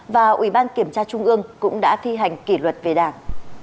và ủy ban kiểm tra trung ương cũng đã thi hành kỷ luật về đảng